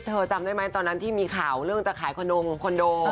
จำได้ไหมตอนนั้นที่มีข่าวเรื่องจะขายขนมคอนโด